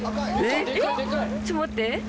⁉ちょっと待って。